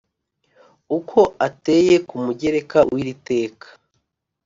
uko ateye ku mugereka w iri teka